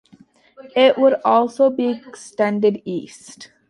It would also be extended east.